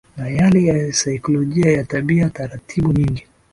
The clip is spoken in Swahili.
na yale ya saikolojia ya tabia taratibu nyingi